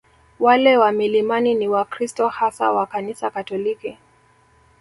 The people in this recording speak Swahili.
Wale wa milimani ni Wakristo hasa wa Kanisa Katoliki